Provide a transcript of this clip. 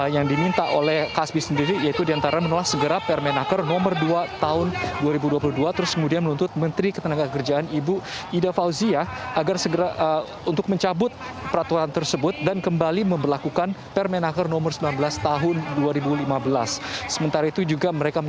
yang tadi didampingi oleh sekjen